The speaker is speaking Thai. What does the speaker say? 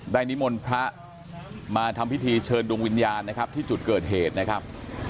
นิมนต์พระมาทำพิธีเชิญดวงวิญญาณนะครับที่จุดเกิดเหตุนะครับ